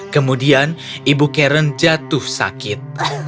kemudian ibu karen jatuh sakit